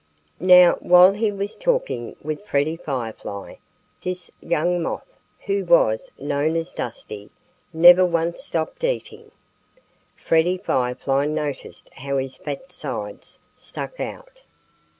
Now, while he was talking with Freddie Firefly, this young Moth, who was known as Dusty, never once stopped eating. Freddie Firefly noticed how his fat sides stuck out.